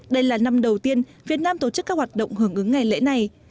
đây là năm đầu tiên việt nam tổ chức các hoạt động hưởng ứng ngày lễ này